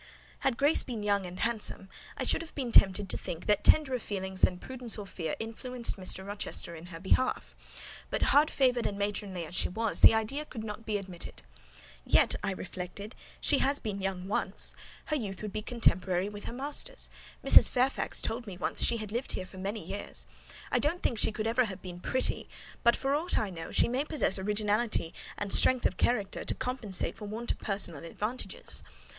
Had Grace been young and handsome, I should have been tempted to think that tenderer feelings than prudence or fear influenced Mr. Rochester in her behalf; but, hard favoured and matronly as she was, the idea could not be admitted. "Yet," I reflected, "she has been young once; her youth would be contemporary with her master's: Mrs. Fairfax told me once, she had lived here many years. I don't think she can ever have been pretty; but, for aught I know, she may possess originality and strength of character to compensate for the want of personal advantages.